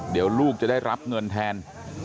เดี๋ยวลูกจะได้รับเงินแทน